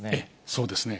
そうですね。